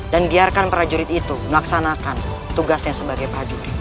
dan biarkan para jurit itu melaksanakan tugasnya sebagai para jurit